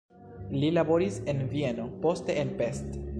Li laboris en Vieno, poste en Pest.